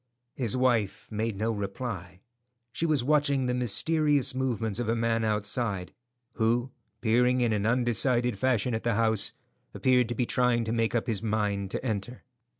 His wife made no reply. She was watching the mysterious movements of a man outside, who, peering in an undecided fashion at the house, appeared to be trying to make up his mind to enter.